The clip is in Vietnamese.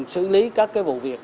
xử lý các vụ việc